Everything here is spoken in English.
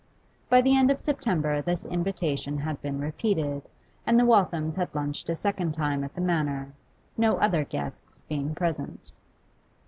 By the end of September this invitation had been repeated, and the Walthams had lunched a second time at the Manor, no other guests being present.